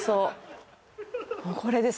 これです